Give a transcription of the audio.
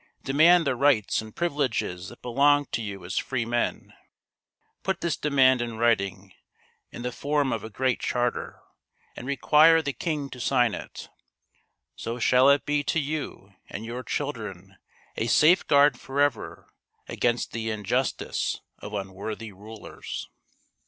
Demand the rights and privileges that belong to you as free men. Put this demand in writing — in the form of a great charter — and require the king to sign it. So shall it be to you and your children a safeguard forever against the injustice of unworthy rulers."